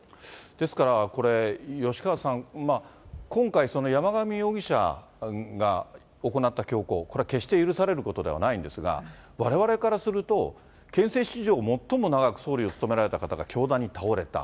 ですから、吉川さん、今回、山上容疑者が行った凶行、これは決して許されることではないんですが、われわれからすると、憲政史上最も長く総理を務められた方が凶弾に倒れた。